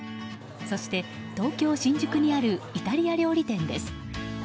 そして東京・新宿にあるイタリア料理店です。